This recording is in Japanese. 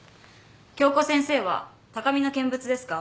今日子先生は高みの見物ですか？